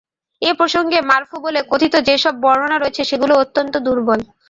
এ প্রসঙ্গে মারফু বলে কথিত যে সব বর্ণনা রয়েছে সেগুলো অত্যন্ত দুর্বল।